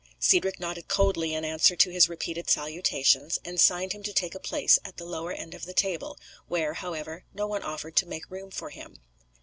Cedric nodded coldly in answer to his repeated salutations, and signed to him to take a place at the lower end of the table, where, however, no one offered to make room for him.